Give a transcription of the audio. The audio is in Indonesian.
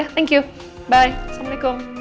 thank you bye assalamualaikum